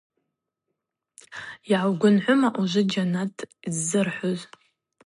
Йгӏаугвынгӏвыма ужвы джьанат ззырхӏвуз?